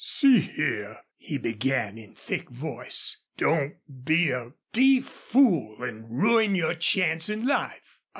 "See here," he began, in thick voice, "don't be a d fool an' ruin your chance in life.